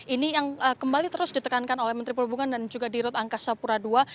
ini yang kembali terus ditekankan oleh menteri perhubungan dan juga di rut angkasa pura ii